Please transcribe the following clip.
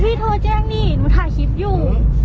พี่โทรแจ้งนี่มันถ่ายคลิปอยู่